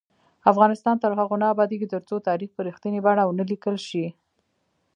افغانستان تر هغو نه ابادیږي، ترڅو تاریخ په رښتینې بڼه ونه لیکل شي.